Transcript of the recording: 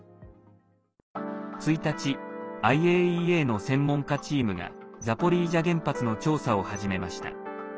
１日ＩＡＥＡの専門家チームがザポリージャ原発の調査を始めました。